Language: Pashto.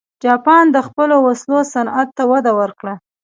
جاپان د خپلو وسلو صنعت ته وده ورکړه.